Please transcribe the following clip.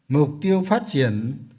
mục tiêu phát triển